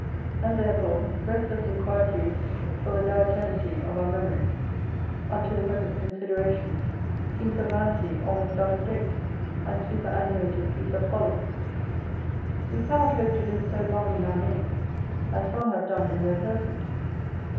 And therefore, restless inquietude for the diuturnity of our memories unto the present considerations seems a vanity almost out of date, and superannuated piece of folly. We cannot hope to live so long in our names, as some have done in their persons.